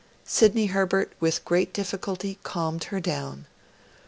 Sidney Herbert, with great difficulty, calmed her down.